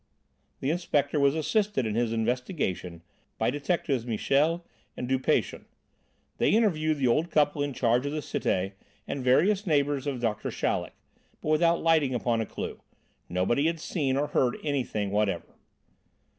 The inspector was assisted in his investigation by detectives Michel and Dupation. They interviewed the old couple in charge of the Cité and various neighbours of Doctor Chaleck, but without lighting upon a clue. Nobody had seen or heard anything whatever.